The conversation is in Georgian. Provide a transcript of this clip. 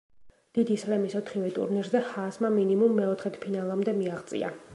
დიდი სლემის ოთხივე ტურნირზე, ჰაასმა მინიმუმ მეოთხედფინალამდე მიაღწია.